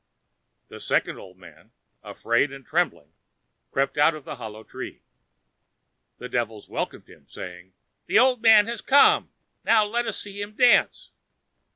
The second old man, afraid and trembling, crept out of the hollow tree. The devils welcomed him, saying: "The old man has come; now let us see him dance."